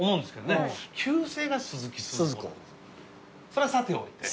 それはさておいて。